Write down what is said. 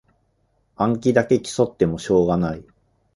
暗記だけ競ってもしょうがない